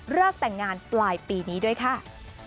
แต่งงานปลายปีนี้ด้วยค่ะ